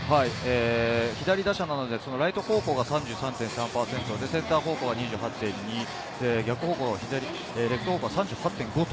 左打者なので、ライト方向が３３．３％、センター方向が２８．２、逆方向、レフト方向は３８．５。